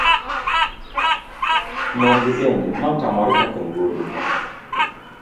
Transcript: Min gi bende notamore kaka wuode.